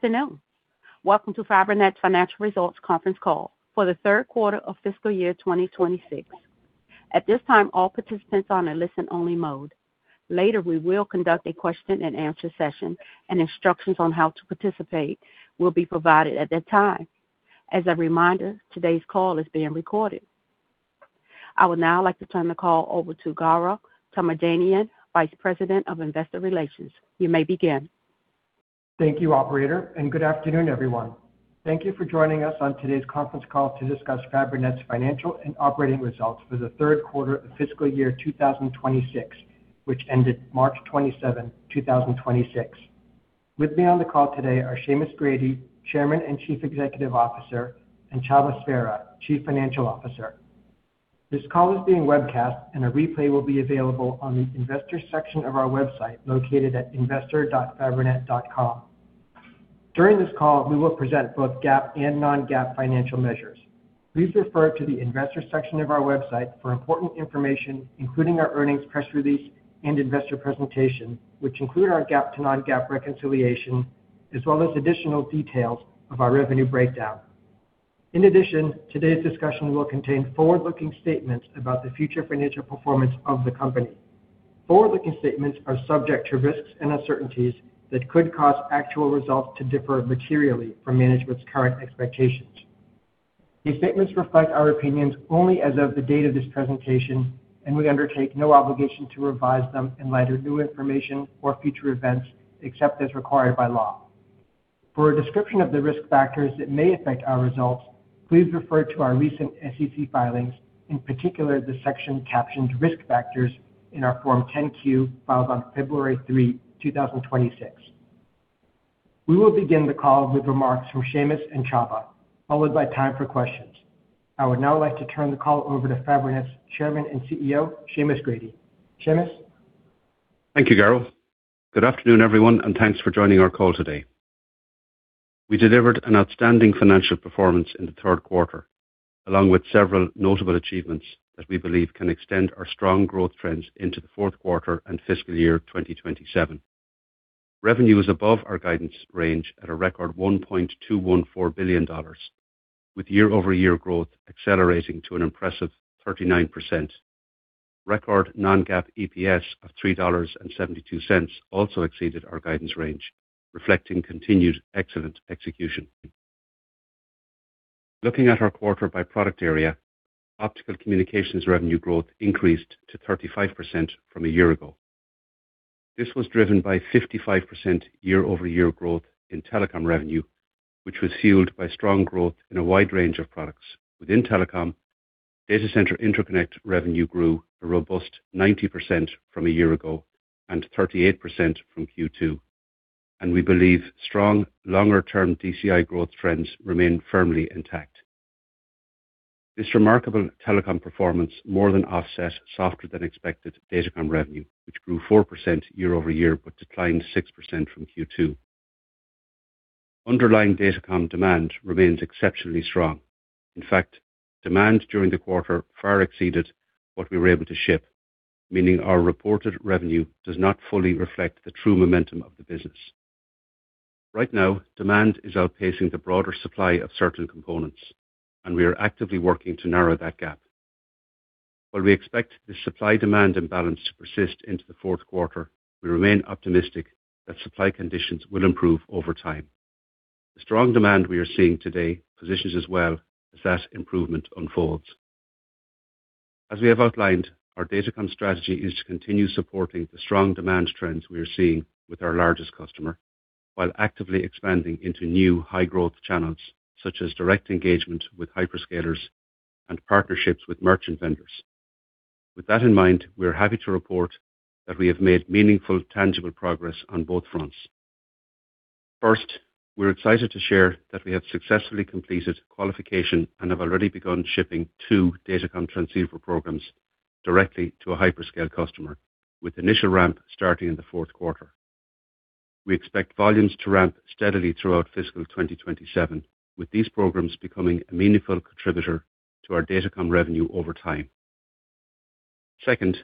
Good afternoon. Welcome to Fabrinet's financial results conference call for the third quarter of fiscal year 2026. At this time, all participants are on a listen-only mode. Later, we will conduct a question and answer session, and instructions on how to participate will be provided at that time. As a reminder, today's call is being recorded. I would now like to turn the call over to Garo Toomajanian, Vice President of Investor Relations. You may begin. Thank you, operator, good afternoon, everyone. Thank you for joining us on today's conference call to discuss Fabrinet's financial and operating results for the third quarter of fiscal year 2026, which ended March 27, 2026. With me on the call today are Seamus Grady, Chairman and Chief Executive Officer, and Csaba Sverha, Chief Financial Officer. This call is being webcast, a replay will be available on the investors section of our website located at investor.fabrinet.com. During this call, we will present both GAAP and non-GAAP financial measures. Please refer to the investors section of our website for important information, including our earnings press release and investor presentation, which include our GAAP to non-GAAP reconciliation, as well as additional details of our revenue breakdown. Today's discussion will contain forward-looking statements about the future financial performance of the company. Forward-looking statements are subject to risks and uncertainties that could cause actual results to differ materially from management's current expectations. These statements reflect our opinions only as of the date of this presentation, and we undertake no obligation to revise them in light of new information or future events, except as required by law. For a description of the risk factors that may affect our results, please refer to our recent SEC filings, in particular, the section captioned Risk Factors in our Form 10-Q filed on February 3, 2026. We will begin the call with remarks from Seamus and Csaba, followed by time for questions. I would now like to turn the call over to Fabrinet's Chairman and CEO, Seamus Grady. Seamus? Thank you, Garo. Good afternoon, everyone, and thanks for joining our call today. We delivered an outstanding financial performance in the third quarter, along with several notable achievements that we believe can extend our strong growth trends into the fourth quarter and fiscal year 2027. Revenue is above our guidance range at a record $1.214 billion, with year-over-year growth accelerating to an impressive 39%. Record non-GAAP EPS of $3.72 also exceeded our guidance range, reflecting continued excellent execution. Looking at our quarter by product area, Optical Communications revenue growth increased to 35% from a year ago. This was driven by 55% year-over-year growth in Telecom revenue, which was fueled by strong growth in a wide range of products. Within Telecom, Data Center Interconnect revenue grew a robust 90% from a year ago and 38% from Q2, and we believe strong, longer-term DCI growth trends remain firmly intact. This remarkable Telecom performance more than offset softer than expected Datacom revenue, which grew 4% year-over-year, but declined 6% from Q2. Underlying Datacom demand remains exceptionally strong. In fact, demand during the quarter far exceeded what we were able to ship, meaning our reported revenue does not fully reflect the true momentum of the business. Right now, demand is outpacing the broader supply of certain components, and we are actively working to narrow that gap. While we expect the supply-demand imbalance to persist into the fourth quarter, we remain optimistic that supply conditions will improve over time. The strong demand we are seeing today positions us well as that improvement unfolds. As we have outlined, our Datacom strategy is to continue supporting the strong demand trends we are seeing with our largest customer while actively expanding into new high-growth channels, such as direct engagement with hyperscalers and partnerships with merchant vendors. With that in mind, we're happy to report that we have made meaningful, tangible progress on both fronts. First, we're excited to share that we have successfully completed qualification and have already begun shipping two Datacom transceiver programs directly to a hyperscale customer with initial ramp starting in the fourth quarter. We expect volumes to ramp steadily throughout fiscal 2027, with these programs becoming a meaningful contributor to our Datacom revenue over time. Second,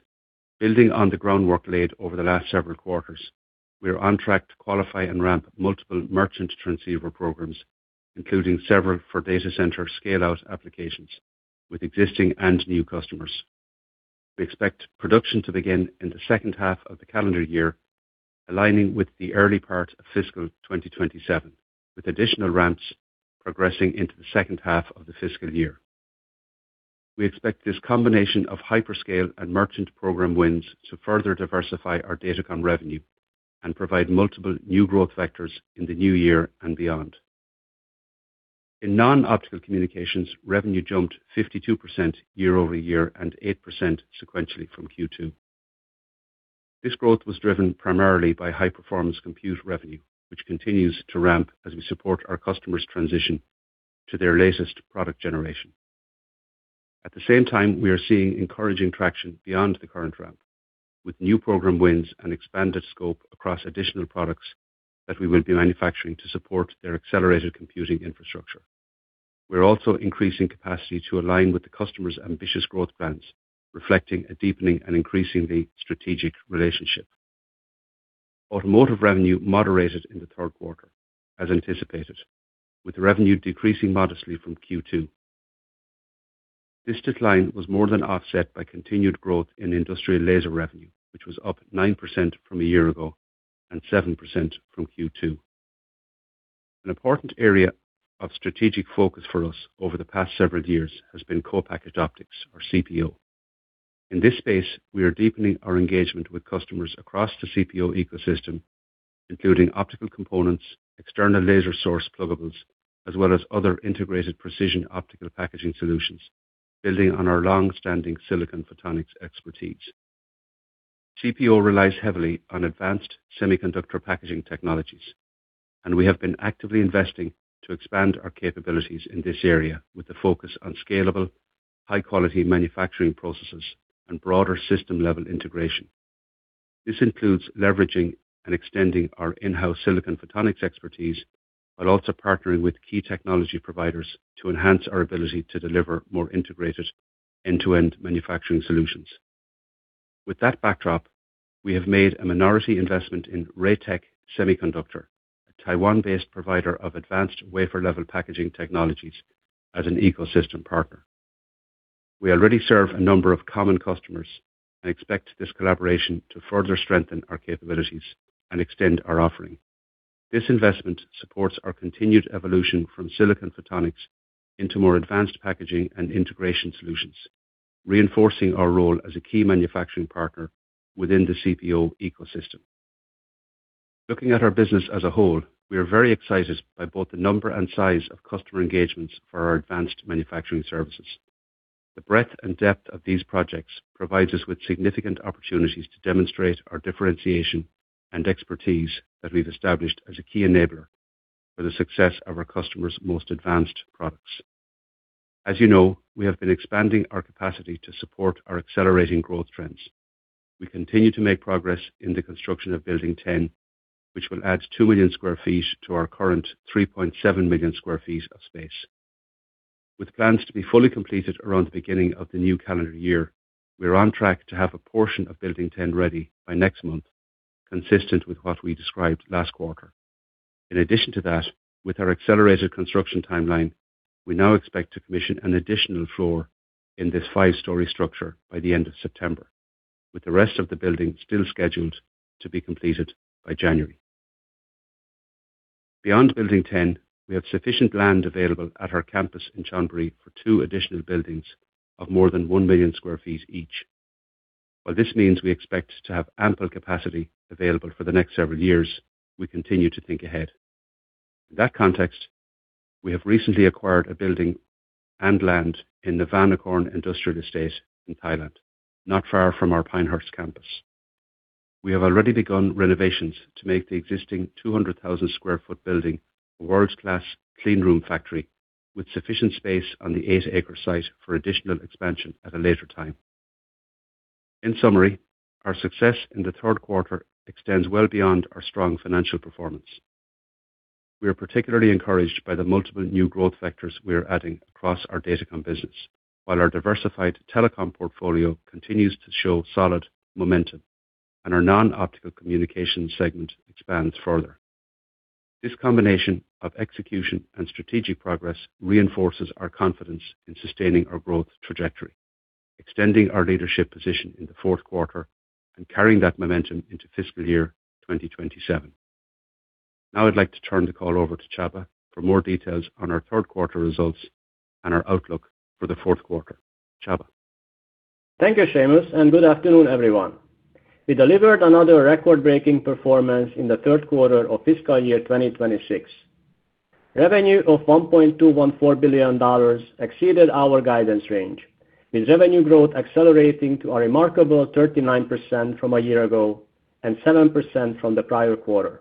building on the groundwork laid over the last several quarters, we are on track to qualify and ramp multiple merchant transceiver programs, including several for data center scale-out applications with existing and new customers. We expect production to begin in the second half of the calendar year, aligning with the early part of fiscal 2027, with additional ramps progressing into the second half of the fiscal year. We expect this combination of hyperscale and merchant program wins to further diversify our Datacom revenue and provide multiple new growth vectors in the new year and beyond. In Non-Optical Communications, revenue jumped 52% year-over-year and 8% sequentially from Q2. This growth was driven primarily by High-Performance Compute revenue, which continues to ramp as we support our customers' transition to their latest product generation. At the same time, we are seeing encouraging traction beyond the current ramp with new program wins and expanded scope across additional products that we will be manufacturing to support their accelerated computing infrastructure. We're also increasing capacity to align with the customer's ambitious growth plans, reflecting a deepening and increasingly strategic relationship. Automotive revenue moderated in the third quarter as anticipated, with revenue decreasing modestly from Q2. This decline was more than offset by continued growth in Industrial Laser revenue, which was up 9% from a year ago and 7% from Q2. An important area of strategic focus for us over the past several years has been co-packaged optics or CPO. In this space, we are deepening our engagement with customers across the CPO ecosystem, including optical components, External Laser Source Pluggables, as well as other integrated precision optical packaging solutions, building on our long-standing silicon photonics expertise. CPO relies heavily on advanced semiconductor packaging technologies, and we have been actively investing to expand our capabilities in this area with a focus on scalable, high-quality manufacturing processes and broader system-level integration. This includes leveraging and extending our in-house silicon photonics expertise while also partnering with key technology providers to enhance our ability to deliver more integrated end-to-end manufacturing solutions. With that backdrop, we have made a minority investment in Raytek Semiconductor, a Taiwan-based provider of advanced wafer-level packaging technologies as an ecosystem partner. We already serve a number of common customers and expect this collaboration to further strengthen our capabilities and extend our offering. This investment supports our continued evolution from silicon photonics into more advanced packaging and integration solutions, reinforcing our role as a key manufacturing partner within the CPO ecosystem. Looking at our business as a whole, we are very excited by both the number and size of customer engagements for our advanced manufacturing services. The breadth and depth of these projects provides us with significant opportunities to demonstrate our differentiation and expertise that we've established as a key enabler for the success of our customers' most advanced products. As you know, we have been expanding our capacity to support our accelerating growth trends. We continue to make progress in the construction of Building 10, which will add 2 million sq ft to our current 3.7 million sq ft of space. With plans to be fully completed around the beginning of the new calendar year, we're on track to have a portion of Building 10 ready by next month, consistent with what we described last quarter. In addition to that, with our accelerated construction timeline, we now expect to commission an additional floor in this five-story structure by the end of September, with the rest of the building still scheduled to be completed by January. Beyond Building 10, we have sufficient land available at our campus in Chonburi for two additional buildings of more than 1 million sq ft each. While this means we expect to have ample capacity available for the next several years, we continue to think ahead. In that context, we have recently acquired a building and land in the Navanakorn Industrial Estate in Thailand, not far from our Pinehurst campus. We have already begun renovations to make the existing 200,000 sq ft building a world-class clean room factory with sufficient space on the eight-acre site for additional expansion at a later time. In summary, our success in the third quarter extends well beyond our strong financial performance. We are particularly encouraged by the multiple new growth vectors we are adding across our Datacom business, while our diversified Telecom portfolio continues to show solid momentum and our Non-Optical Communications segment expands further. This combination of execution and strategic progress reinforces our confidence in sustaining our growth trajectory, extending our leadership position in the fourth quarter, and carrying that momentum into fiscal year 2027. Now I'd like to turn the call over to Csaba for more details on our third quarter results and our outlook for the fourth quarter. Csaba? Thank you, Seamus, and good afternoon, everyone. We delivered another record-breaking performance in the third quarter of fiscal year 2026. Revenue of $1.214 billion exceeded our guidance range, with revenue growth accelerating to a remarkable 39% from a year ago and 7% from the prior quarter.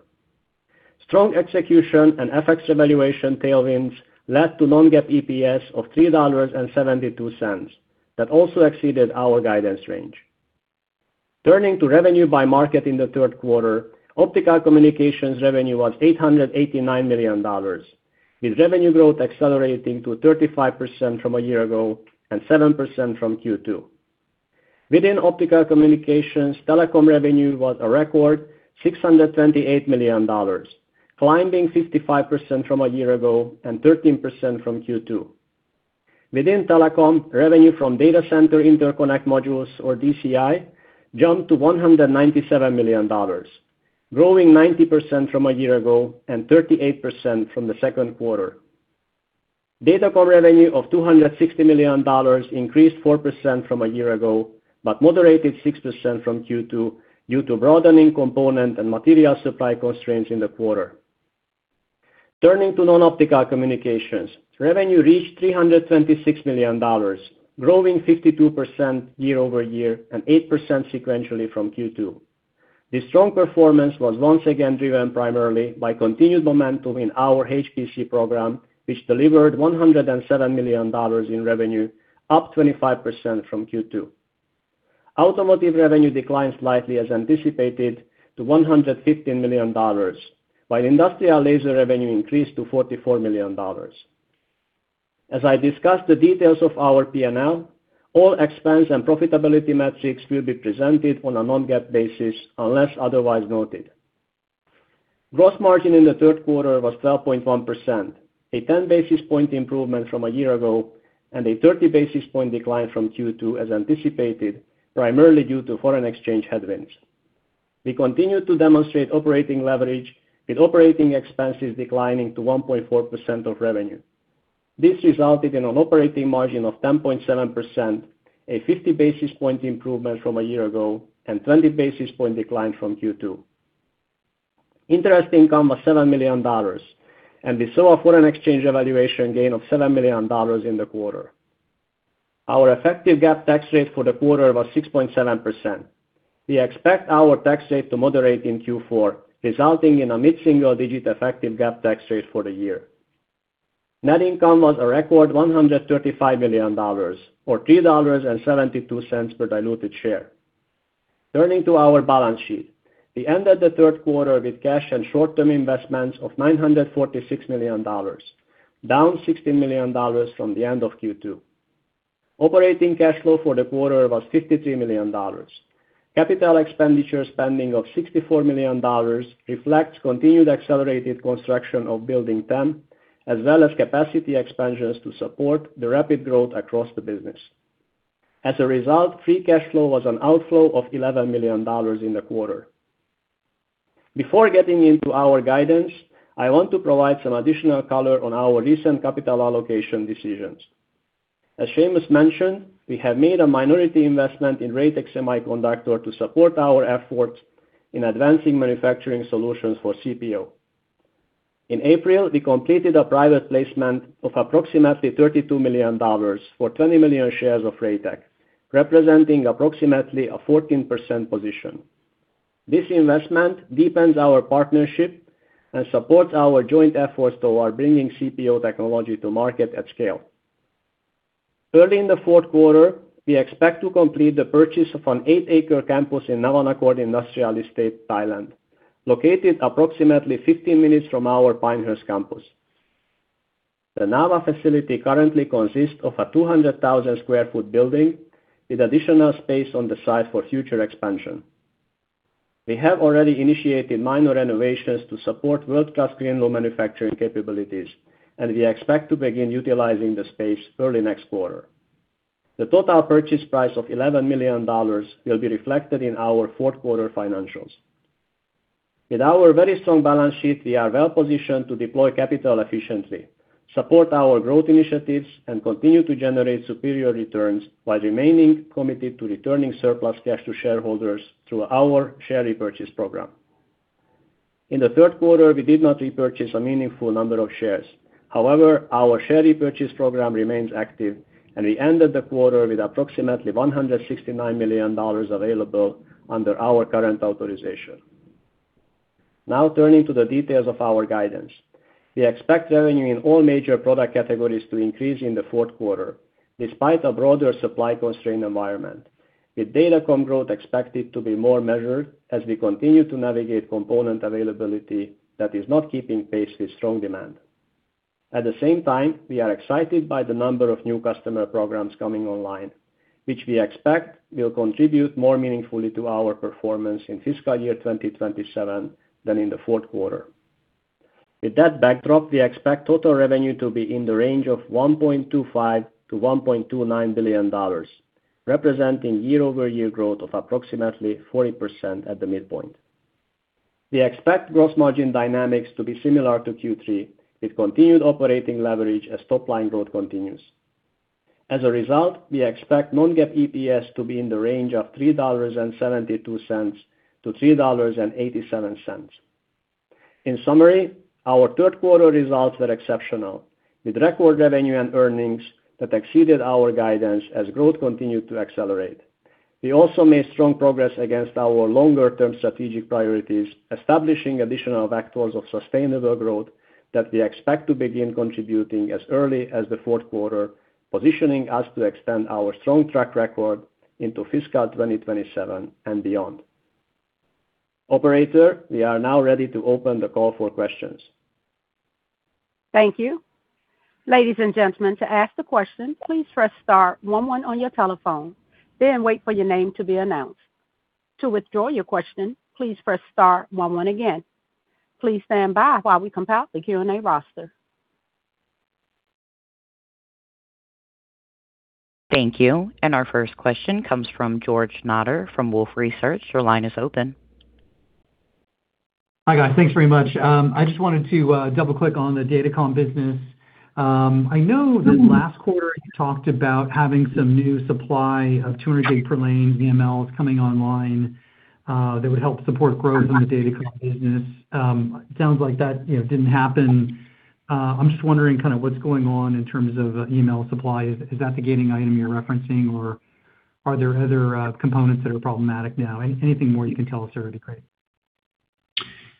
Strong execution and FX evaluation tailwinds led to non-GAAP EPS of $3.72. That also exceeded our guidance range. Turning to revenue by market in the third quarter, Optical Communications revenue was $889 million, with revenue growth accelerating to 35% from a year ago and 7% from Q2. Within Optical Communications, Telecom revenue was a record $628 million, climbing 55% from a year ago and 13% from Q2. Within Telecom, revenue from Data Center Interconnect modules or DCI jumped to $197 million, growing 90% from a year ago and 38% from the second quarter. Datacom revenue of $260 million increased 4% from a year ago, but moderated 6% from Q2 due to broadening component and material supply constraints in the quarter. Turning to Non-Optical Communications, revenue reached $326 million, growing 52% year-over-year and 8% sequentially from Q2. This strong performance was once again driven primarily by continued momentum in our HPC program, which delivered $107 million in revenue, up 25% from Q2. Automotive revenue declined slightly as anticipated to $115 million, while Industrial Laser revenue increased to $44 million. As I discuss the details of our P&L, all expense and profitability metrics will be presented on a non-GAAP basis unless otherwise noted. Gross margin in the third quarter was 12.1%, a 10 basis point improvement from a year ago and a 30 basis point decline from Q2 as anticipated, primarily due to foreign exchange headwinds. We continue to demonstrate operating leverage with operating expenses declining to 1.4% of revenue. This resulted in an operating margin of 10.7%, a 50 basis point improvement from a year ago and 20 basis point decline from Q2. Interest income was $7 million, and we saw a foreign exchange evaluation gain of $7 million in the quarter. Our effective GAAP tax rate for the quarter was 6.7%. We expect our tax rate to moderate in Q4, resulting in a mid-single-digit effective GAAP tax rate for the year. Net income was a record $135 million or $3.72 per diluted share. Turning to our balance sheet. We ended the third quarter with cash and short-term investments of $946 million, down $60 million from the end of Q2. Operating cash flow for the quarter was $53 million. Capital expenditure spending of $64 million reflects continued accelerated construction of Building 10 as well as capacity expansions to support the rapid growth across the business. As a result, free cash flow was an outflow of $11 million in the quarter. Before getting into our guidance, I want to provide some additional color on our recent capital allocation decisions. As Seamus mentioned, we have made a minority investment in Raytek Semiconductor to support our efforts in advancing manufacturing solutions for CPO. In April, we completed a private placement of approximately $32 million for 20 million shares of Raytek, representing approximately a 14% position. This investment deepens our partnership and supports our joint efforts toward bringing CPO technology to market at scale. Early in the fourth quarter, we expect to complete the purchase of an eight-acre campus in Navanakorn Industrial Estate, Thailand, located approximately 15 minutes from our Pinehurst campus. The Navanakorn facility currently consists of a 200,000 sq ft building with additional space on the site for future expansion. We have already initiated minor renovations to support world-class clean room manufacturing capabilities, and we expect to begin utilizing the space early next quarter. The total purchase price of $11 million will be reflected in our fourth quarter financials. With our very strong balance sheet, we are well-positioned to deploy capital efficiently, support our growth initiatives, and continue to generate superior returns while remaining committed to returning surplus cash to shareholders through our share repurchase program. In the third quarter, we did not repurchase a meaningful number of shares. However, our share repurchase program remains active, and we ended the quarter with approximately $169 million available under our current authorization. Now turning to the details of our guidance. We expect revenue in all major product categories to increase in the fourth quarter despite a broader supply-constrained environment, with Datacom growth expected to be more measured as we continue to navigate component availability that is not keeping pace with strong demand. At the same time, we are excited by the number of new customer programs coming online, which we expect will contribute more meaningfully to our performance in fiscal year 2027 than in the fourth quarter. With that backdrop, we expect total revenue to be in the range of $1.25 billion-$1.29 billion, representing year-over-year growth of approximately 40% at the midpoint. We expect gross margin dynamics to be similar to Q3, with continued operating leverage as top-line growth continues. As a result, we expect non-GAAP EPS to be in the range of $3.72-$3.87. In summary, our third quarter results were exceptional, with record revenue and earnings that exceeded our guidance as growth continued to accelerate. We also made strong progress against our longer-term strategic priorities, establishing additional vectors of sustainable growth that we expect to begin contributing as early as the fourth quarter, positioning us to extend our strong track record into fiscal 2027 and beyond. Operator, we are now ready to open the call for questions. Thank you. Ladies and gentlemen, to ask the question, please press star one one on your telephone, then wait for your name to be announced. To withdraw your question, please press star one one again. Please stand by while we compile the Q&A roster. Thank you. Our first question comes from George Notter from Wolfe Research. Your line is open. Hi, guys. Thanks very much. I just wanted to double-click on the Datacom business. I know that last quarter you talked about having some new supply of 200 gig per lane VCSELs coming online that would help support growth in the Datacom business. Sounds like that, you know, didn't happen. I'm just wondering kinda what's going on in terms of VCSEL supply. Is that the gating item you're referencing, or are there other components that are problematic now? Anything more you can tell us there would be great.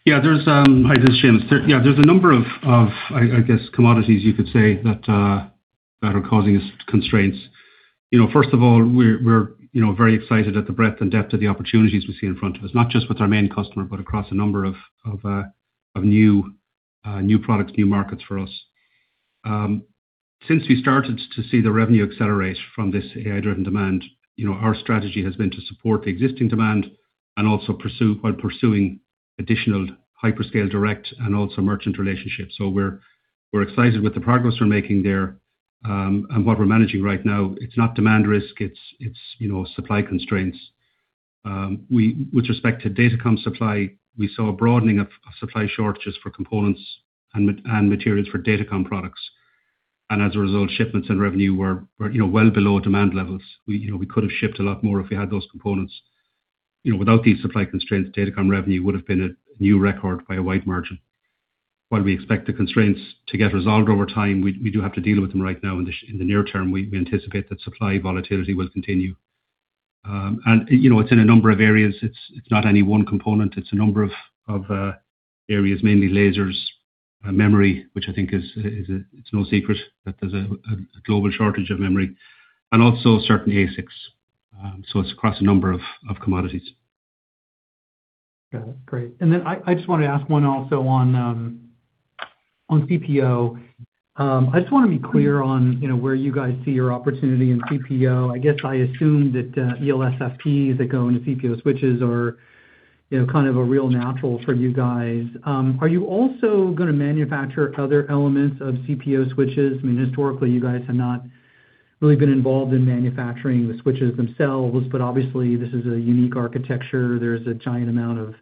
Yeah, there's. Hi, this is Seamus. Yeah, there's a number of, I guess, commodities you could say that are causing us constraints. You know, first of all, we're, you know, very excited at the breadth and depth of the opportunities we see in front of us, not just with our main customer, but across a number of, new products, new markets for us. Since we started to see the revenue accelerate from this AI-driven demand, you know, our strategy has been to support the existing demand and also while pursuing additional hyperscale direct and also merchant relationships. We're excited with the progress we're making there, and what we're managing right now. It's not demand risk, it's, you know, supply constraints. We, with respect to Datacom supply, we saw a broadening of supply shortages for components and materials for Datacom products. As a result, shipments and revenue were, you know, well below demand levels. We, you know, we could have shipped a lot more if we had those components. You know, without these supply constraints, Datacom revenue would have been a new record by a wide margin. We expect the constraints to get resolved over time, we do have to deal with them right now. In the near term, we anticipate that supply volatility will continue. You know, it's in a number of areas. It's not any one component. It's a number of areas, mainly lasers, memory, which I think is, it's no secret that there's a global shortage of memory, and also certain ASICs. It's across a number of commodities. Got it. Great. Then I just wanna ask one also on CPO. I just wanna be clear on, you know, where you guys see your opportunity in CPO. I guess I assume that ELSs that go into CPO switches are, you know, kind of a real natural for you guys. Are you also gonna manufacture other elements of CPO switches? I mean, historically, you guys have not really been involved in manufacturing the switches themselves. Obviously this is a unique architecture. There's a giant amount of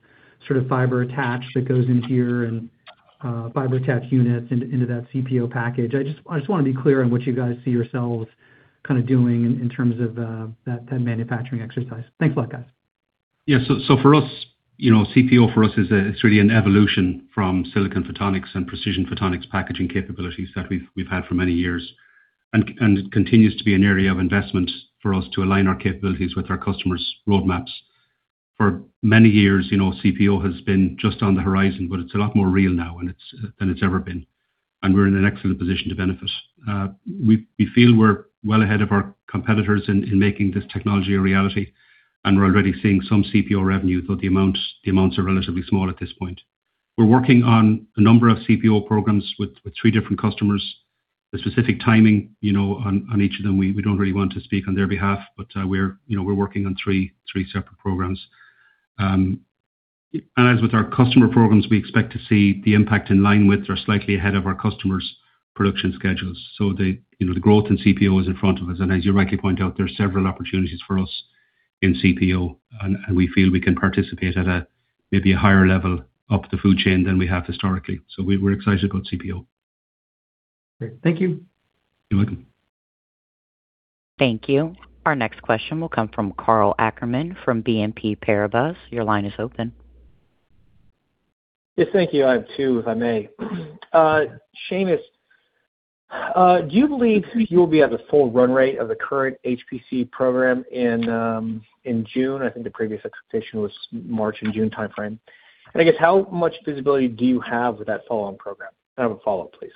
sort of fiber attach that goes in here and fiber attach units into that CPO package. I just wanna be clear on what you guys see yourselves kinda doing in terms of that manufacturing exercise. Thanks a lot, guys. For us, you know, CPO for us is, it's really an evolution from silicon photonics and precision photonics packaging capabilities that we've had for many years. It continues to be an area of investment for us to align our capabilities with our customers' roadmaps. For many years, you know, CPO has been just on the horizon, but it's a lot more real now than it's ever been. We're in an excellent position to benefit. We feel we're well ahead of our competitors in making this technology a reality, and we're already seeing some CPO revenue, though the amounts are relatively small at this point. We're working on a number of CPO programs with three different customers. The specific timing, you know, on each of them, we don't really want to speak on their behalf, but we're, you know, we're working on three separate programs. As with our customer programs, we expect to see the impact in line with or slightly ahead of our customers' production schedules. The, you know, the growth in CPO is in front of us. As you rightly point out, there are several opportunities for us in CPO, and we feel we can participate at a, maybe a higher level up the food chain than we have historically. We're excited about CPO. Great. Thank you. You're welcome. Thank you. Our next question will come from Karl Ackerman from BNP Paribas. Your line is open. Yes, thank you. I have two, if I may. Seamus, do you believe you will be at the full run rate of the current HPC program in June? I think the previous expectation was March and June timeframe. I guess, how much visibility do you have with that follow-on program? I have a follow-up, please.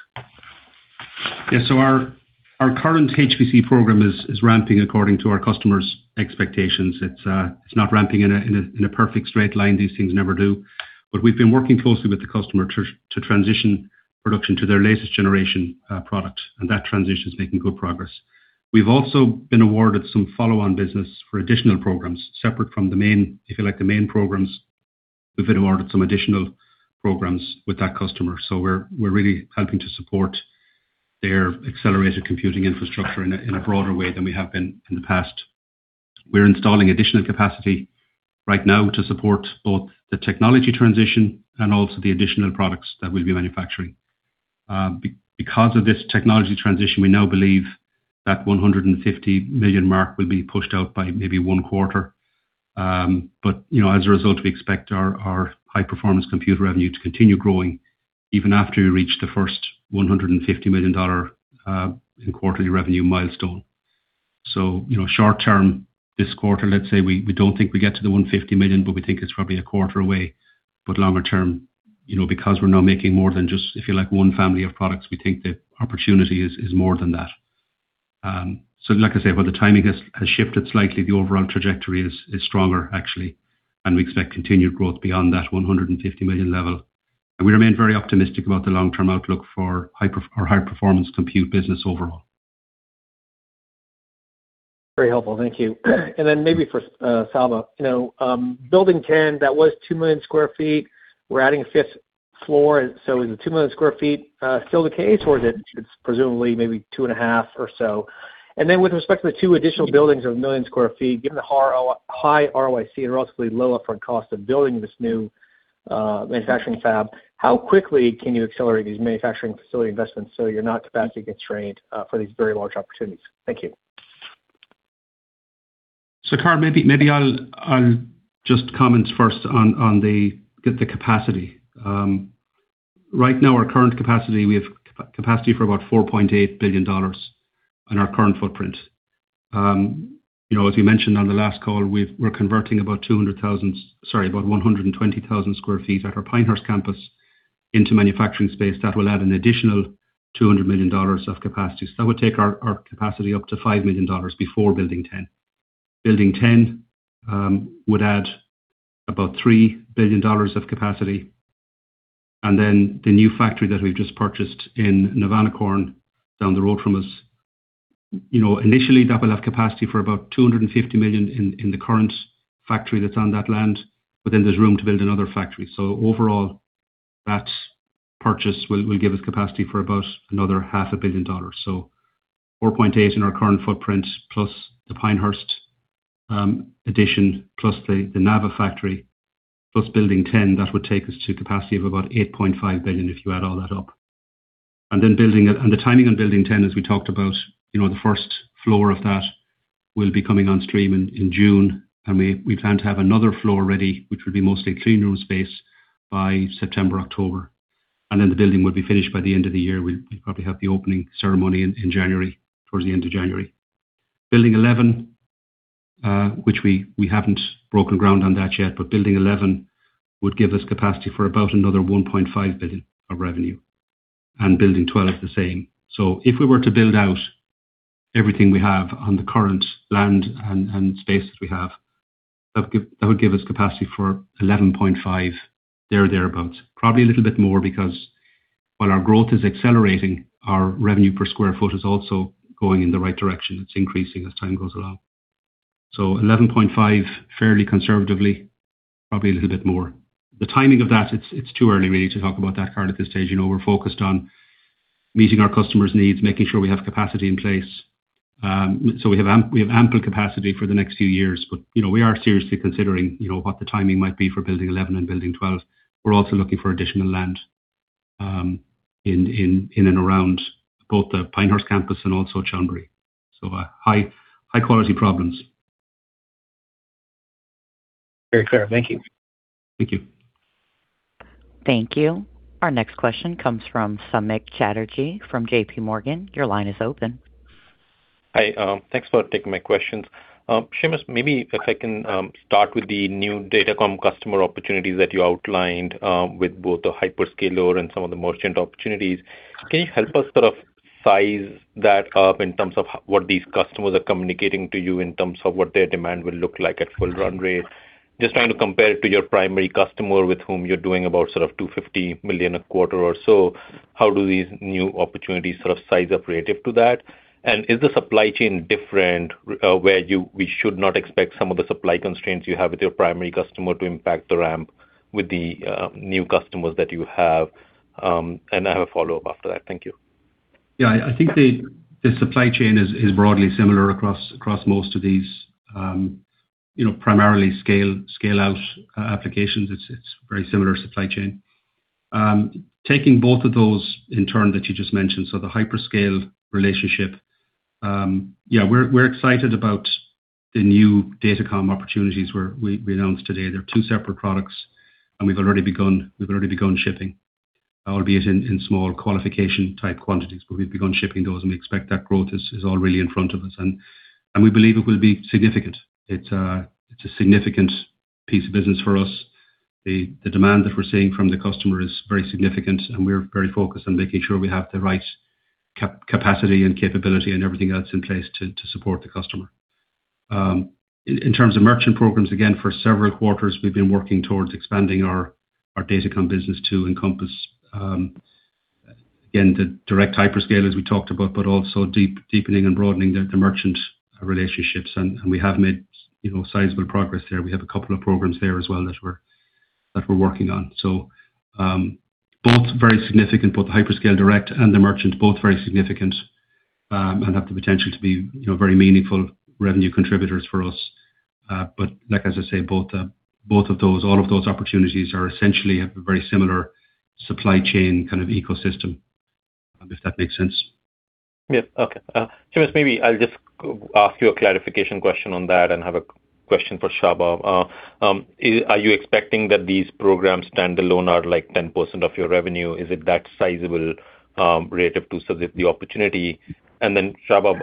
Yeah. Our current HPC program is ramping according to our customers' expectations. It's not ramping in a perfect straight line. These things never do. We've been working closely with the customer to transition production to their latest generation product, and that transition is making good progress. We've also been awarded some follow-on business for additional programs separate from the main, if you like, the main programs. We've been awarded some additional programs with that customer, so we're really helping to support their accelerated computing infrastructure in a broader way than we have been in the past. We're installing additional capacity right now to support both the technology transition and also the additional products that we'll be manufacturing. Because of this technology transition, we now believe that $150 million mark will be pushed out by maybe one quarter. You know, as a result, we expect our High-Performance Compute revenue to continue growing even after we reach the first $150 million in quarterly revenue milestone. You know, short term this quarter, let's say we don't think we get to the $150 million, but we think it's probably one quarter away. Longer term, you know, because we're now making more than just, if you like, one family of products, we think the opportunity is more than that. Like I say, while the timing has shifted slightly, the overall trajectory is stronger actually, and we expect continued growth beyond that $150 million level. We remain very optimistic about the long-term outlook for High-Performance Compute business overall. Very helpful. Thank you. Then maybe for Csaba. You know, building 10, that was 2 million sq ft. We're adding a fifth floor. Is the 2 million sq ft still the case, or is it's presumably maybe 2.5 or so? With respect to the two additional buildings of 1 million sq ft, given the high ROIC and relatively low upfront cost of building this new manufacturing fab, how quickly can you accelerate these manufacturing facility investments so you're not capacity constrained for these very large opportunities? Thank you. Karl, I'll just comment first on the capacity. Right now our current capacity, we have capacity for about $4.8 billion in our current footprint. You know, as we mentioned on the last call, we're converting about 200,000, sorry, about 120,000 sq ft at our Pinehurst campus into manufacturing space that will add an additional $200 million of capacity. That would take our capacity up to $5 million before Building 10. Building 10 would add about $3 billion of capacity. The new factory that we've just purchased in Navanakorn down the road from us, you know, initially that will have capacity for about $250 million in the current factory that's on that land, there's room to build another factory. That purchase will give us capacity for about another $0.5 billion. $4.8 billion in our current footprint plus the Pinehurst addition, plus the Navanakorn factory, plus building 10, that would take us to capacity of about $8.5 billion if you add all that up. The timing on building 10, as we talked about, you know, the first floor of that will be coming on stream in June. We plan to have another floor ready, which will be mostly clean room space, by September, October, and then the building will be finished by the end of the year. We'll probably have the opening ceremony in January, towards the end of January. Building 11, which we haven't broken ground on that yet, but building 11 would give us capacity for about another $1.5 billion of revenue, and building 12 the same. If we were to build out everything we have on the current land and space that we have, that would give us capacity for $11.5, there or thereabouts. Probably a little bit more because while our growth is accelerating, our revenue per square foot is also going in the right direction. It's increasing as time goes along. 11.5, fairly conservatively, probably a little bit more. The timing of that, it's too early really to talk about that current at this stage. You know, we're focused on meeting our customers' needs, making sure we have capacity in place. We have ample capacity for the next few years, but, you know, we are seriously considering, you know, what the timing might be for building 11 and building 12. We're also looking for additional land, in and around both the Pinehurst campus and also Chonburi. High quality problems. Very clear. Thank you. Thank you. Thank you. Our next question comes from Samik Chatterjee from JPMorgan. Your line is open. Hi. Thanks for taking my questions. Seamus, maybe if I can start with the new Datacom customer opportunities that you outlined with both the hyperscaler and some of the merchant opportunities. Can you help us sort of size that up in terms of what these customers are communicating to you in terms of what their demand will look like at full run rate? Just trying to compare it to your primary customer with whom you're doing about sort of $250 million a quarter or so. How do these new opportunities sort of size up relative to that? Is the supply chain different, we should not expect some of the supply constraints you have with your primary customer to impact the ramp with the new customers that you have? I have a follow-up after that. Thank you. Yeah. I think the supply chain is broadly similar across most of these, you know, primarily scale-out applications. It's very similar supply chain. Taking both of those in turn that you just mentioned, the hyperscale relationship, yeah, we're excited about the new Datacom opportunities where we announced today. They're two separate products, and we've already begun shipping. Albeit in small qualification type quantities, but we've begun shipping those, and we expect that growth is all really in front of us and we believe it will be significant. It's a significant piece of business for us. The demand that we're seeing from the customer is very significant, and we're very focused on making sure we have the right capacity and capability and everything else in place to support the customer. In terms of merchant programs, again, for several quarters we've been working towards expanding our Datacom business to encompass, again, the direct hyperscale, as we talked about, but also deepening and broadening the merchant relationships. We have made, you know, sizable progress there. We have a couple of programs there as well that we're working on. Both very significant, both the hyperscale direct and the merchant, both very significant, and have the potential to be, you know, very meaningful revenue contributors for us. Like as I say, both of those, all of those opportunities are essentially a very similar supply chain kind of ecosystem, if that makes sense. Yeah. Okay. Seamus, maybe I'll just ask you a clarification question on that and have a question for Csaba. Are you expecting that these programs standalone are like 10% of your revenue? Is it that sizable, relative to sort of the opportunity? Then Csaba,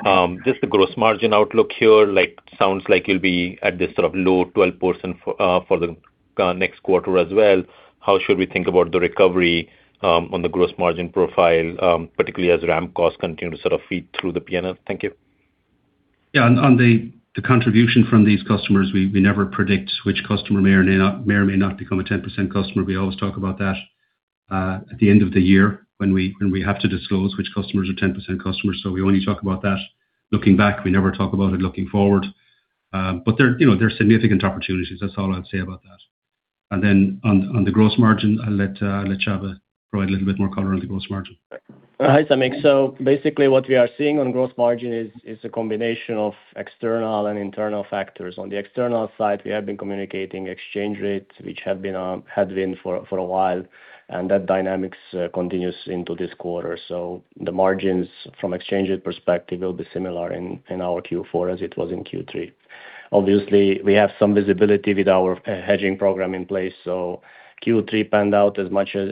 just the gross margin outlook here, like, sounds like you'll be at this sort of low 12% for the next quarter as well. How should we think about the recovery on the gross margin profile, particularly as ramp costs continue to sort of feed through the P&L? Thank you. Yeah. On the contribution from these customers, we never predict which customer may or may not become a 10% customer. We always talk about that at the end of the year when we have to disclose which customers are 10% customers. We only talk about that looking back. We never talk about it looking forward. They're, you know, significant opportunities. That's all I'd say about that. On the gross margin, I'll let Csaba provide a little bit more color on the gross margin. Hi, Samik. Basically what we are seeing on gross margin is a combination of external and internal factors. On the external side, we have been communicating exchange rates, which have been headwind for a while, and that dynamics continues into this quarter. The margins from exchange rate perspective will be similar in our Q4 as it was in Q3. Obviously, we have some visibility with our hedging program in place, so Q3 panned out as much as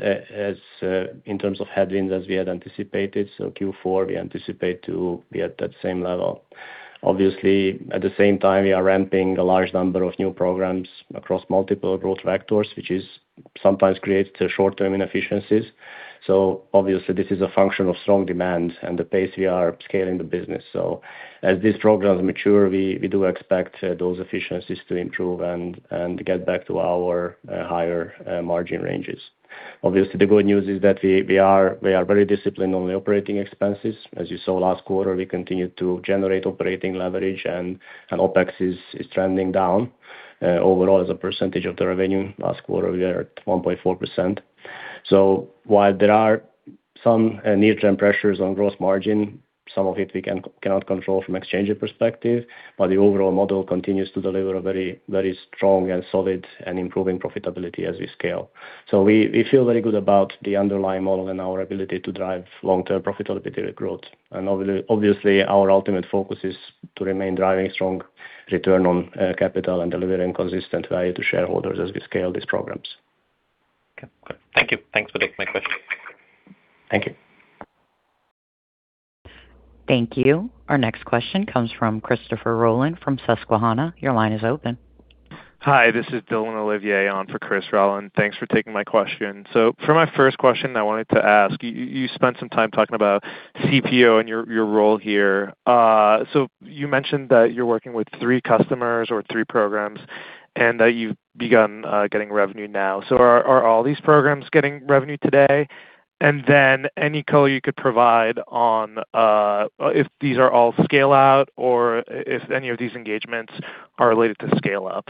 in terms of headwinds as we had anticipated. Q4, we anticipate to be at that same level. Obviously, at the same time, we are ramping a large number of new programs across multiple growth vectors, which is sometimes creates short-term inefficiencies. Obviously this is a function of strong demand and the pace we are scaling the business. As these programs mature, we do expect those efficiencies to improve and get back to our higher margin ranges. Obviously, the good news is that we are very disciplined on the operating expenses. As you saw last quarter, we continued to generate operating leverage and OpEx is trending down overall as a percentage of the revenue. Last quarter, we are at 1.4%. While there are some near-term pressures on gross margin, some of it we cannot control from exchange perspective, the overall model continues to deliver a very strong and solid and improving profitability as we scale. We feel very good about the underlying model and our ability to drive long-term profitability growth. Obviously, our ultimate focus is to remain driving strong return on capital and delivering consistent value to shareholders as we scale these programs. Okay. Thank you. Thanks for taking my question. Thank you. Thank you. Our next question comes from Christopher Rolland from Susquehanna. Your line is open. Hi, this is Dylan Ollivier on for Christopher Rolland. Thanks for taking my question. For my first question, I wanted to ask, you spent some time talking about CPO and your role here. You mentioned that you're working with three customers or three programs and that you've begun getting revenue now. Are all these programs getting revenue today? And then any color you could provide on if these are all scale out or if any of these engagements are related to scale up.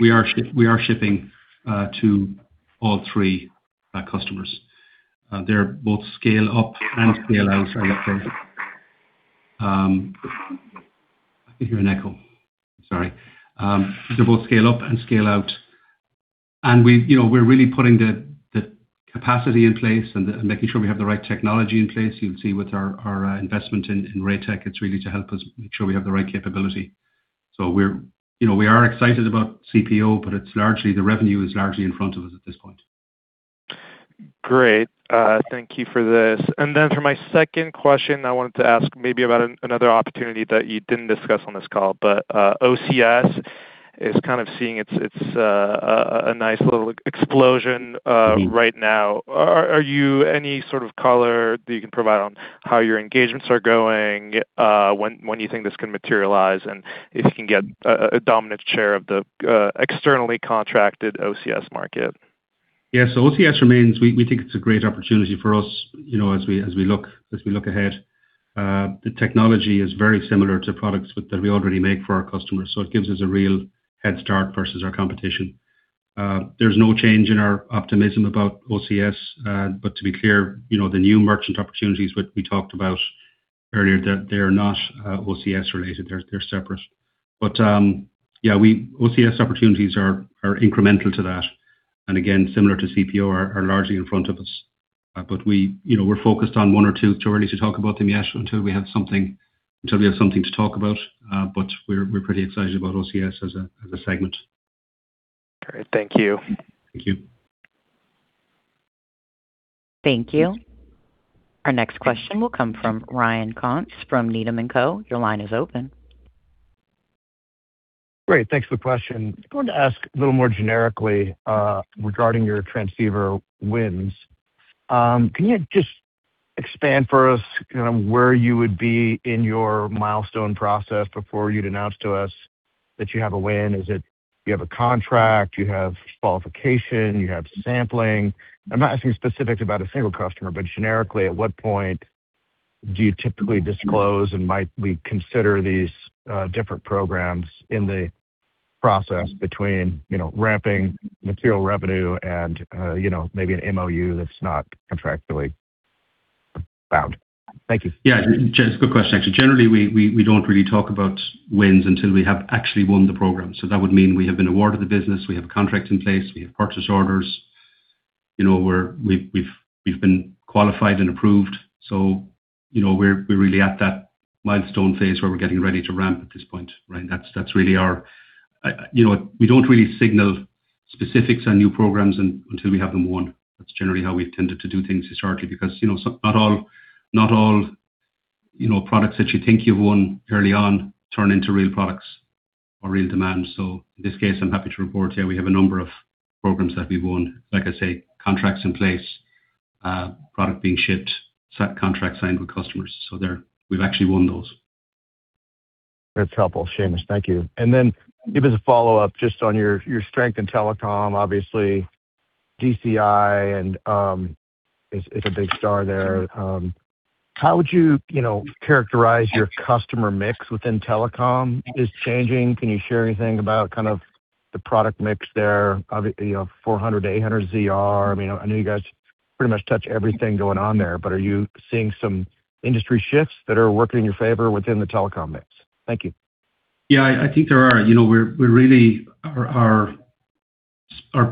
We are shipping to all three customers. They're both scale up and scale out. I can hear an echo. Sorry. They're both scale up and scale out. We, you know, we're really putting the capacity in place and making sure we have the right technology in place. You'll see with our investment in Raytek, it's really to help us make sure we have the right capability. We're, you know, we are excited about CPO, but it's largely the revenue is largely in front of us at this point. Great. Thank you for this. Then for my second question, I wanted to ask maybe about another opportunity that you didn't discuss on this call, but OCS is kind of seeing its a nice little explosion right now. Are you any sort of color that you can provide on how your engagements are going? When do you think this can materialize? If you can get a dominant share of the externally contracted OCS market. Yeah. OCS remains. We think it's a great opportunity for us, you know, as we look ahead. The technology is very similar to products that we already make for our customers, so it gives us a real head start versus our competition. There's no change in our optimism about OCS. To be clear, you know, the new merchant opportunities which we talked about earlier, they are not OCS related. They're separate. Yeah, OCS opportunities are incremental to that, and again, similar to CPO, are largely in front of us. We, you know, we're focused on one or two. It's too early to talk about them yet until we have something to talk about. We're pretty excited about OCS as a segment. Great. Thank you. Thank you. Thank you. Our next question will come from Ryan Koontz from Needham & Co. Your line is open. Great. Thanks for the question. I'm going to ask a little more generically, regarding your transceiver wins. Can you just expand for us kind of where you would be in your milestone process before you'd announce to us that you have a win? Is it you have a contract, you have qualification, you have sampling? I'm not asking specifics about a single customer, but generically, at what point do you typically disclose, and might we consider these, different programs in the process between, you know, ramping material revenue and, you know, maybe an MOU that's not contractually bound? Thank you. Yeah, it's a good question, actually. Generally, we don't really talk about wins until we have actually won the program. That would mean we have been awarded the business, we have contracts in place, we have purchase orders. You know, we've been qualified and approved. You know, we're really at that milestone phase where we're getting ready to ramp at this point, right? That's really our. You know, we don't really signal specifics on new programs until we have them won. That's generally how we've tended to do things historically, because, you know, not all, not all, you know, products that you think you've won early on turn into real products or real demand. In this case, I'm happy to report here we have a number of programs that we've won. Like I say, contracts in place, product being shipped, set contracts signed with customers. We've actually won those. That's helpful, Seamus. Thank you. Then maybe as a follow-up, just on your strength in Telecom, obviously DCI and, it's a big star there. How would you know, characterize your customer mix within Telecom is changing? Can you share anything about kind of the product mix there, you know, 400G ZR-800G ZR? I mean, I know you guys pretty much touch everything going on there, but are you seeing some industry shifts that are working in your favor within the Telecom mix? Thank you. Yeah. I think there are. You know, we're really Our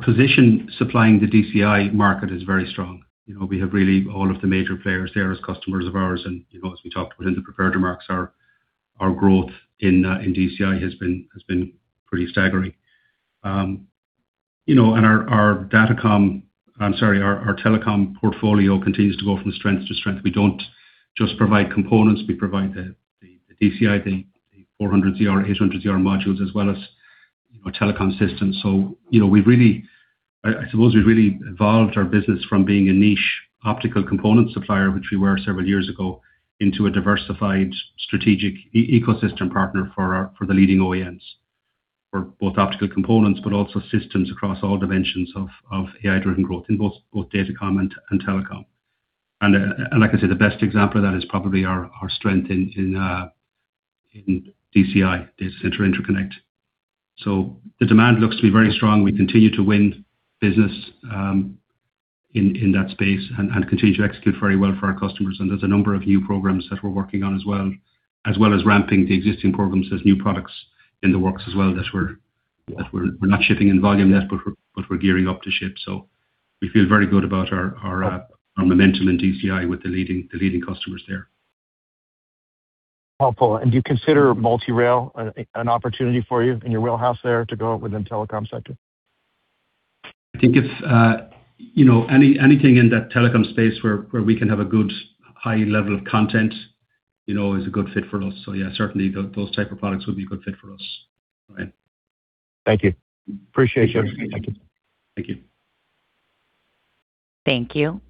position supplying the DCI market is very strong. You know, we have really all of the major players there as customers of ours. You know, as we talked about in the prepared remarks, Our growth in DCI has been pretty staggering. You know, our datacom, I'm sorry, our Telecom portfolio continues to go from strength to strength. We don't just provide components, we provide the DCI, the 400G DR, 800G DR modules as well as, you know, Telecom systems. I suppose we've really evolved our business from being a niche optical component supplier, which we were several years ago, into a diversified strategic ecosystem partner for the leading OEMs for both optical components, but also systems across all dimensions of AI-driven growth in both Datacom and Telecom. Like I say, the best example of that is probably our strength in DCI, Data Center Interconnect. The demand looks to be very strong. We continue to win business in that space and continue to execute very well for our customers. There's a number of new programs that we're working on as well, as well as ramping the existing programs. There's new products in the works as well that we're not shipping in volume yet, but we're gearing up to ship. We feel very good about our momentum in DCI with the leading customers there. Helpful. Do you consider multi-rail an opportunity for you in your wheelhouse there to go within Telecom sector? I think if, you know, anything in that Telecom space where we can have a good high level of content, you know, is a good fit for us. Yeah, certainly those type of products would be a good fit for us. Right. Thank you. Appreciate your time. Thank you. Thank you. Thank you.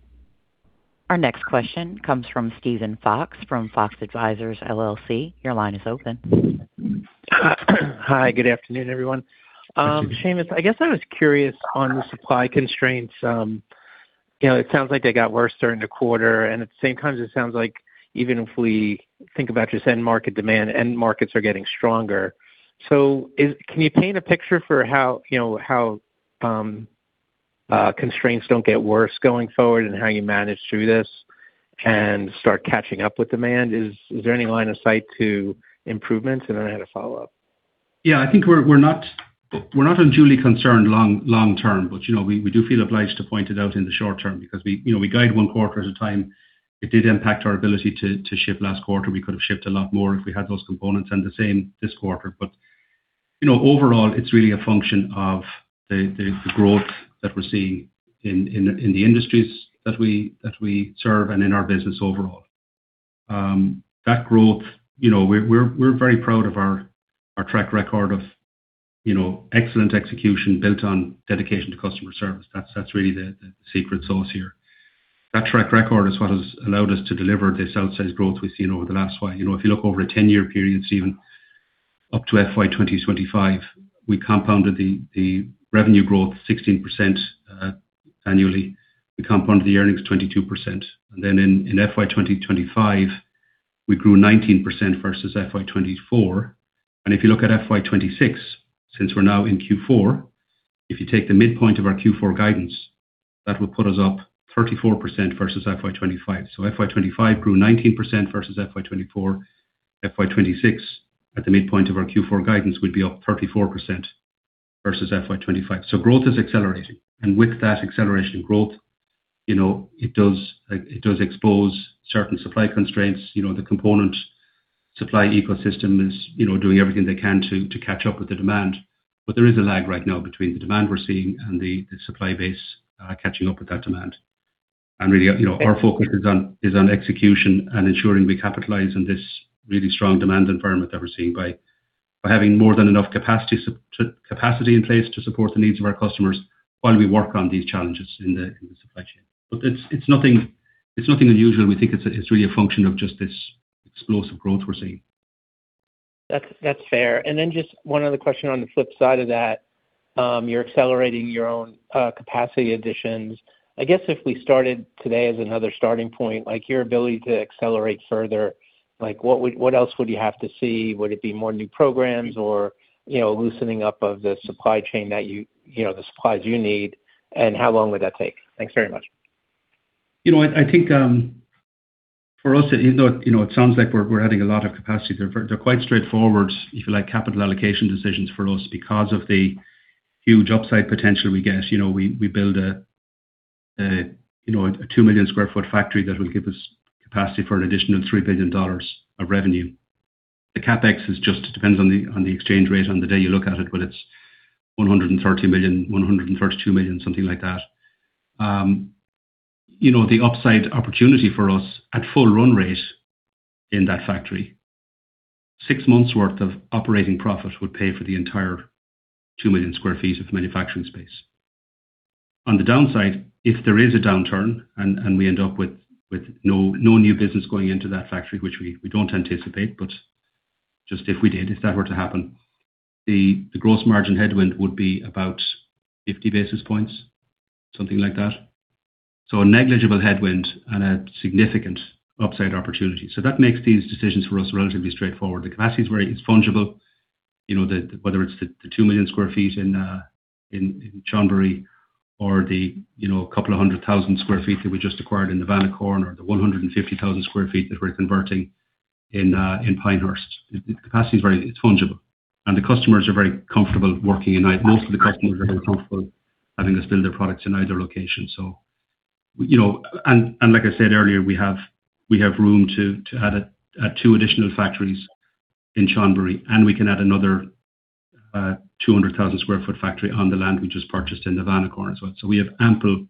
Our next question comes from Steven Fox from Fox Advisors, LLC. Your line is open. Hi, good afternoon, everyone. Good afternoon. Seamus, I guess I was curious on the supply constraints. You know, it sounds like they got worse during the quarter, and at the same time it sounds like even if we think about your end market demand, end markets are getting stronger. Can you paint a picture for how, you know, how constraints don't get worse going forward and how you manage through this and start catching up with demand? Is there any line of sight to improvements? I had a follow-up. Yeah, I think we're not unduly concerned long term, you know, we do feel obliged to point it out in the short term because we, you know, we guide 1 quarter at a time. It did impact our ability to ship last quarter. We could have shipped a lot more if we had those components and the same this quarter. You know, overall it's really a function of the growth that we're seeing in the industries that we serve and in our business overall. That growth, you know, we're very proud of our track record of, you know, excellent execution built on dedication to customer service. That's really the secret sauce here. That track record is what has allowed us to deliver this outsized growth we have seen over the last while. You know, if you look over a 10-year period, Steven, up to FY 2025, we compounded the revenue growth 16% annually. We compounded the earnings 22%. In FY 2025, we grew 19% versus FY 2024. If you look at FY 2026, since we are now in Q4, if you take the midpoint of our Q4 guidance, that will put us up 34% versus FY 2025. FY 2025 grew 19% versus FY 2024. FY 2026 at the midpoint of our Q4 guidance would be up 34% versus FY 2025. Growth is accelerating. With that acceleration growth, you know, it does expose certain supply constraints. You know, the component supply ecosystem is, you know, doing everything they can to catch up with the demand. There is a lag right now between the demand we're seeing and the supply base catching up with that demand. Really, you know, our focus is on execution and ensuring we capitalize on this really strong demand environment that we're seeing by having more than enough capacity in place to support the needs of our customers while we work on these challenges in the supply chain. It's nothing unusual. We think it's really a function of just this explosive growth we're seeing. That's fair. Just one other question on the flip side of that, you're accelerating your own capacity additions. I guess if we started today as another starting point, like your ability to accelerate further, like what else would you have to see? Would it be more new programs or, you know, loosening up of the supply chain that you know, the supplies you need, and how long would that take? Thanks very much. You know what? I think, for us, even though, you know, it sounds like we're adding a lot of capacity, they're quite straightforward, if you like, capital allocation decisions for us because of the huge upside potential we get. You know, we build a, you know, a 2 million sq ft factory that will give us capacity for an additional $3 billion of revenue. The CapEx just depends on the exchange rate on the day you look at it, but it's $130 million, $132 million, something like that. You know, the upside opportunity for us at full run rate in that factory, six months worth of operating profit would pay for the entire 2 million sq ft of manufacturing space. On the downside, if there is a downturn and we end up with no new business going into that factory, which we don't anticipate, but just if we did, if that were to happen, the gross margin headwind would be about 50 basis points, something like that. A negligible headwind and a significant upside opportunity. That makes these decisions for us relatively straightforward. The capacity is fungible, you know, whether it's the 2 million sq ft in Chonburi or the, you know, couple of 100,000 sq ft that we just acquired in Navanakorn or the 150,000 sq ft that we're converting in Pinehurst. The capacity it's fungible. Most of the customers are very comfortable having us build their products in either location. You know, and like I said earlier, we have room to add two additional factories in Chonburi, and we can add another 200,000 sq ft factory on the land we just purchased in Navanakorn as well. We have ample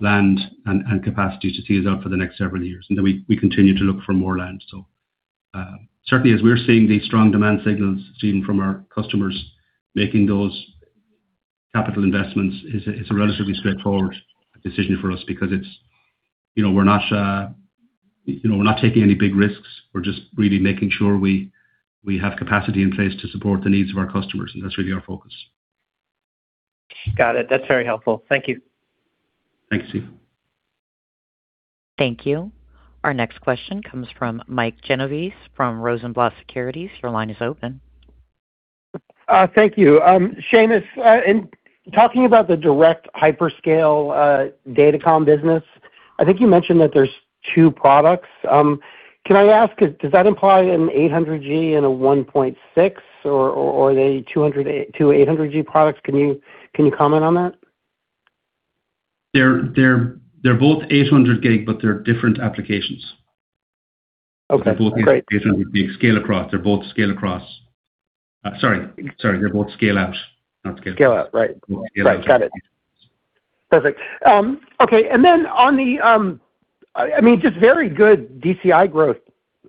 land and capacity to tease out for the next several years. We continue to look for more land. Certainly as we're seeing these strong demand signals seen from our customers, making those capital investments is a relatively straightforward decision for us because it's. You know, we're not, you know, we're not taking any big risks. We're just really making sure we have capacity in place to support the needs of our customers, and that's really our focus. Got it. That's very helpful. Thank you. Thanks, Steve. Thank you. Our next question comes from Mike Genovese from Rosenblatt Securities. Your line is open. Thank you. Seamus, in talking about the direct hyperscale Datacom business, I think you mentioned that there's two products. Can I ask, does that imply an 800G and a 1.6 or are they two 800G products? Can you, can you comment on that? They're both 800 gig, but they're different applications. Okay, great. They're both 800 gig scale across. They're both scale across. sorry, they're both scale out, not scale- Scale out. Right. Both scale out. Right. Got it. Perfect. okay. On the, I mean, just very good DCI growth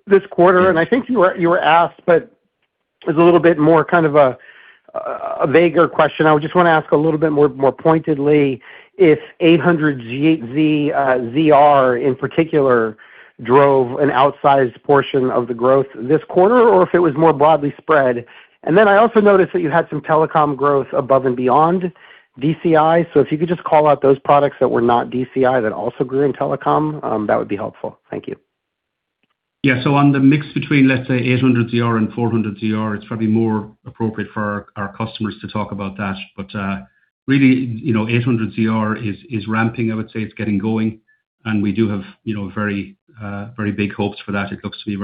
this quarter. Yes. I think you were asked, as a little bit more kind of a vaguer question. I just wanna ask a little bit more pointedly if 800G ZR in particular drove an outsized portion of the growth this quarter or if it was more broadly spread. I also noticed that you had some Telecom growth above and beyond DCI. If you could just call out those products that were not DCI that also grew in Telecom, that would be helpful. Thank you. Yeah. On the mix between, let's say, 800G ZR and 400G ZR, it's probably more appropriate for our customers to talk about that. Really, you know, 800G ZR is ramping, I would say it's getting going. We do have, you know, very, very big hopes for that. It looks to be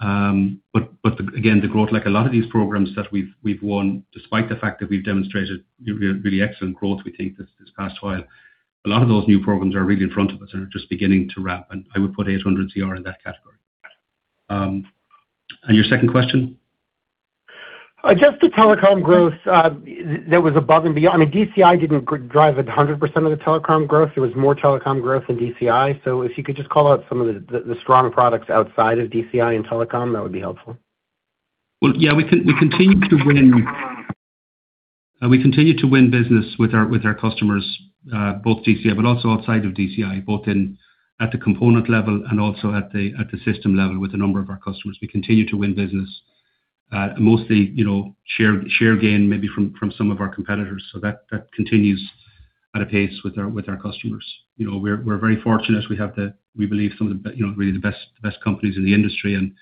very strong, very strong product. Again, the growth, like a lot of these programs that we've won, despite the fact that we've demonstrated really, really excellent growth, we think this past while, a lot of those new programs are really in front of us and are just beginning to ramp, and I would put 800G ZR in that category. Your second question? Just the Telecom growth that was above and beyond. I mean, DCI didn't drive 100% of the Telecom growth. It was more Telecom growth than DCI. If you could just call out some of the strong products outside of DCI and Telecom, that would be helpful. Well, yeah, we continue to win, we continue to win business with our, with our customers, both DCI but also outside of DCI, both in at the component level and also at the system level with a number of our customers. We continue to win business, mostly, you know, share gain maybe from some of our competitors. That continues at a pace with our customers. You know, we're very fortunate we have we believe some of the you know, really the best companies in the industry, and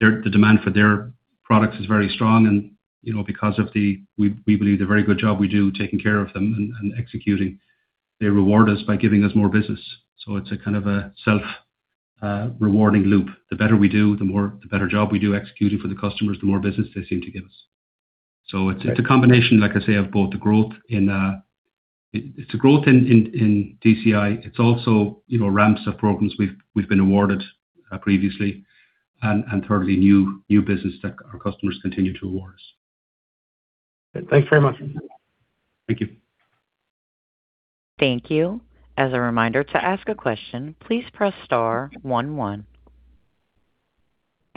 the demand for their products is very strong and, you know, because of the, we believe, the very good job we do taking care of them and executing. They reward us by giving us more business. It's a kind of a self-rewarding loop. The better we do, the more the better job we do executing for the customers, the more business they seem to give us. It's a combination, like I say, of both the growth in, it's the growth in DCI. It's also, you know, ramps of programs we've been awarded previously and thirdly, new business that our customers continue to award us. Thanks very much. Thank you. Thank you. As a reminder, to ask a question, please press star one one.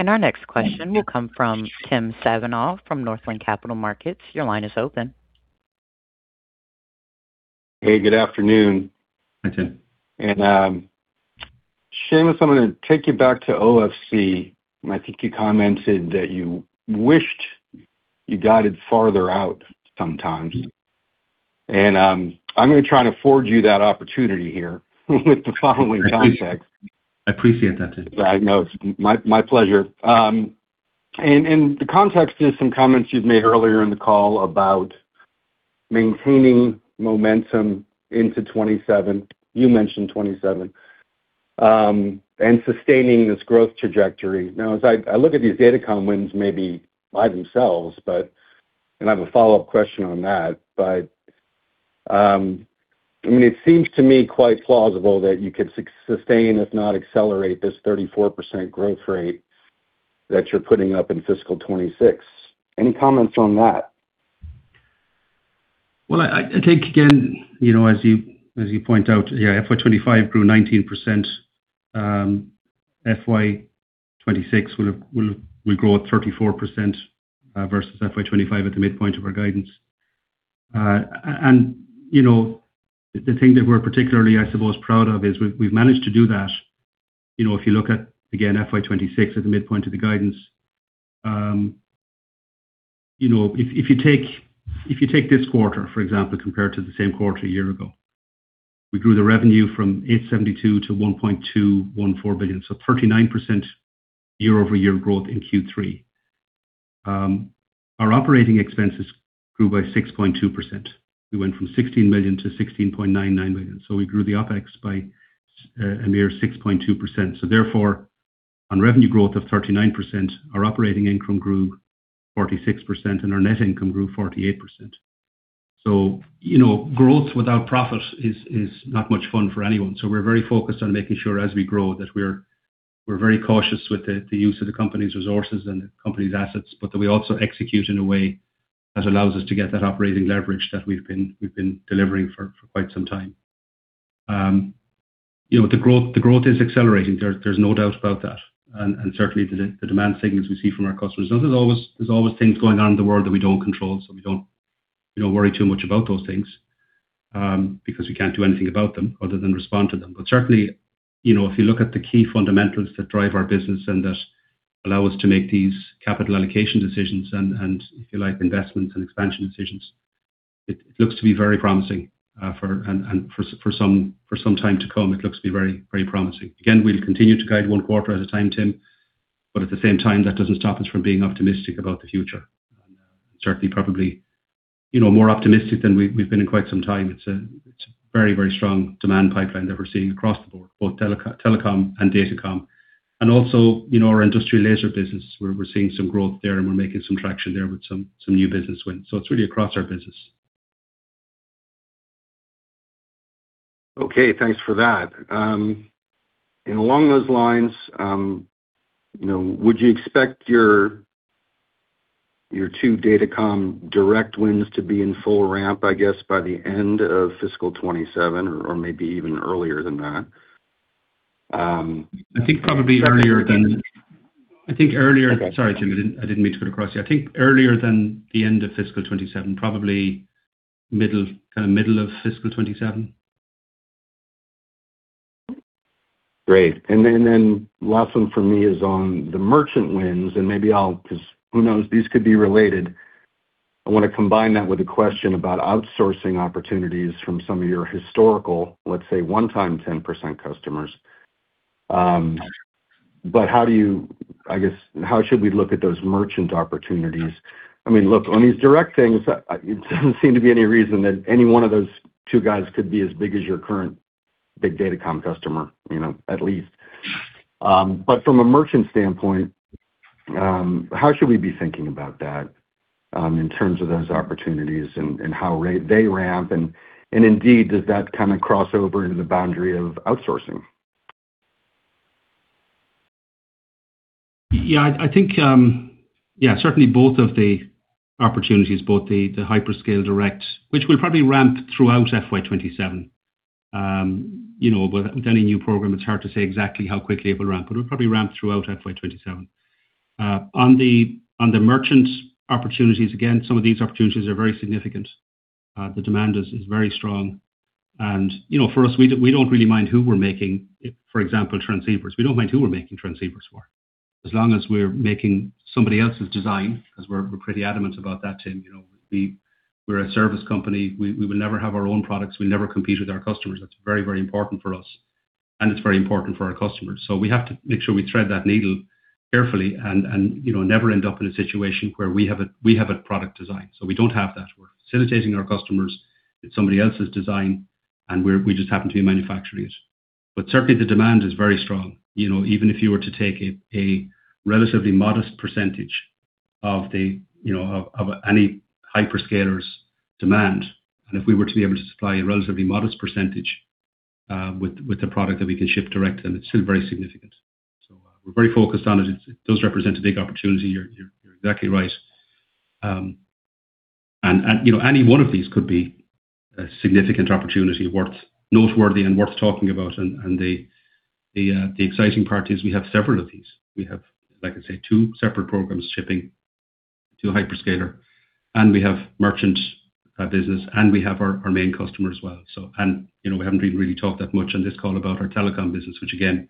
Our next question will come from Tim Savageaux from Northland Capital Markets. Your line is open. Hey, good afternoon. Hi, Tim. Seamus, I'm gonna take you back to OFC, and I think you commented that you wished you guided farther out sometimes. I'm gonna try to afford you that opportunity here with the following context. I appreciate that, Tim. Yeah, I know. It's my pleasure. The context is some comments you've made earlier in the call about maintaining momentum into 2027, you mentioned 2027, and sustaining this growth trajectory. Now, as I look at these Datacom wins maybe by themselves, but and I have a follow-up question on that. I mean, it seems to me quite plausible that you could sustain, if not accelerate, this 34% growth rate that you're putting up in fiscal 2026. Any comments on that? Well, I think again, you know, as you, as you point out, yeah, FY 2025 grew 19%, FY 2026 will grow at 34% versus FY 2025 at the midpoint of our guidance. You know, the thing that we're particularly, I suppose, proud of is we've managed to do that. You know, if you look at, again, FY 2026 at the midpoint of the guidance, you know, if you take this quarter, for example, compared to the same quarter a year ago, we grew the revenue from $872 million to $1.214 billion, so 39% year-over-year growth in Q3. Our operating expenses grew by 6.2%. We went from $16 million to $16.99 million. We grew the OpEx by a mere 6.2%. Therefore, on revenue growth of 39%, our operating income grew 46% and our net income grew 48%. You know, growth without profit is not much fun for anyone. We're very focused on making sure as we grow that we're very cautious with the use of the company's resources and the company's assets, but that we also execute in a way that allows us to get that operating leverage that we've been delivering for quite some time. You know, the growth is accelerating. There's no doubt about that. Certainly the demand signals we see from our customers. There's always things going on in the world that we don't control, so we don't worry too much about those things because we can't do anything about them other than respond to them. Certainly, you know, if you look at the key fundamentals that drive our business and that allow us to make these capital allocation decisions and if you like, investments and expansion decisions, it looks to be very promising for some time to come, it looks to be very promising. We'll continue to guide one quarter at a time, Tim. At the same time, that doesn't stop us from being optimistic about the future. Certainly probably, you know, more optimistic than we've been in quite some time. It's a very, very strong demand pipeline that we're seeing across the board, both Telecom and Datacom. Also, you know, our Industrial Laser business, we're seeing some growth there, and we're making some traction there with some new business wins. It's really across our business. Okay, thanks for that. Along those lines, you know, would you expect your two Datacom direct wins to be in full ramp, I guess, by the end of fiscal 2027 or maybe even earlier than that? I think earlier- Okay. Sorry, Tim, I didn't mean to cut across you. I think earlier than the end of fiscal 2027, probably middle, kind of middle of fiscal 2027. Great. Then last one for me is on the merchant wins, cause who knows, these could be related. I wanna combine that with a question about outsourcing opportunities from some of your historical, let's say, one-time 10% customers. How do you, I guess, how should we look at those merchant opportunities? I mean, look, on these direct things, it doesn't seem to be any reason that any one of those two guys could be as big as your current big Datacom customer, you know, at least. From a merchant standpoint, how should we be thinking about that in terms of those opportunities and how they ramp? Indeed, does that kinda cross over into the boundary of outsourcing? Certainly both of the opportunities, both the hyperscale direct, which will probably ramp throughout FY 2027. You know, with any new program, it's hard to say exactly how quickly it will ramp, it will probably ramp throughout FY 2027. On the merchant opportunities, again, some of these opportunities are very significant. The demand is very strong. You know, for us, we don't really mind who we're making, for example, transceivers. We don't mind who we're making transceivers for. As long as we're making somebody else's design, 'cause we're pretty adamant about that, Tim. You know, we're a service company. We will never have our own products. We never compete with our customers. That's very important for us, and it's very important for our customers. We have to make sure we thread that needle carefully and, you know, never end up in a situation where we have a product design. We don't have that. We're facilitating our customers with somebody else's design, and we just happen to be manufacturing it. Certainly, the demand is very strong. You know, even if you were to take a relatively modest percentage of the, you know, of any hyperscaler's demand, and if we were to be able to supply a relatively modest percentage with a product that we can ship direct, then it's still very significant. We're very focused on it. It does represent a big opportunity. You're exactly right. You know, any one of these could be a significant opportunity worth noteworthy and worth talking about and the exciting part is we have several of these. We have, like I say, two separate programs shipping to a hyperscaler, and we have merchant business, and we have our main customer as well. You know, we haven't even really talked that much on this call about our Telecom business, which again,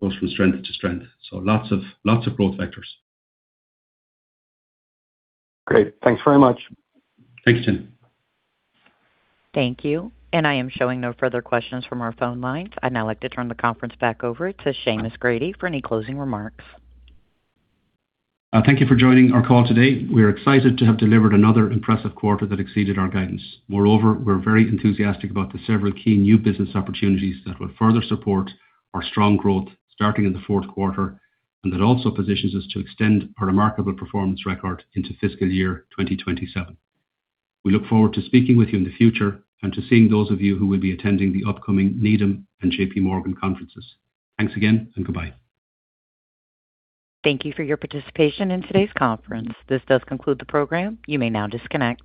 goes from strength to strength. Lots of growth vectors. Great. Thanks very much. Thanks, Tim. Thank you. I am showing no further questions from our phone lines. I'd now like to turn the conference back over to Seamus Grady for any closing remarks. Thank you for joining our call today. We are excited to have delivered another impressive quarter that exceeded our guidance. We're very enthusiastic about the several key new business opportunities that will further support our strong growth starting in the fourth quarter, and that also positions us to extend our remarkable performance record into fiscal year 2027. We look forward to speaking with you in the future and to seeing those of you who will be attending the upcoming Needham and JPMorgan conferences. Thanks again, and goodbye. Thank you for your participation in today's conference. This does conclude the program. You may now disconnect.